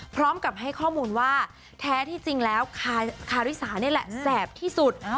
พร้อมกับให้ข้อมูลว่าแท้ที่จริงแล้วคาริสานี่แหละแสบที่สุด